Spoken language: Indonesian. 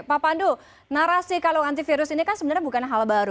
pak pandu narasi kalung antivirus ini kan sebenarnya bukan hal baru